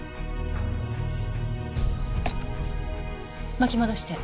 巻き戻して。